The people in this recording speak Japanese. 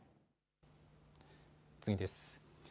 次です。